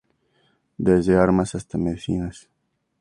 Desde armas hasta medicinas.